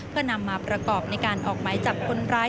เพื่อนำมาประกอบในการออกหมายจับคนร้าย